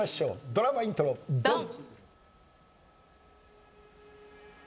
ドラマイントロドン！